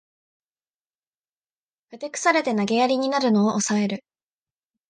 ふてくされて投げやりになるのをおさえる